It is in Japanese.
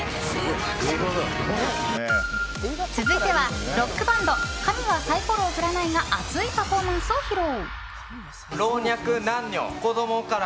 続いては、ロックバンド神はサイコロを振らないが熱いパフォーマンスを披露！